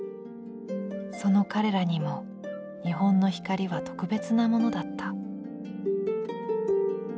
その彼らにも日本の光は特別なものだった。